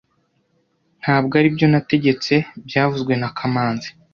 Ntabwo aribyo nategetse byavuzwe na kamanzi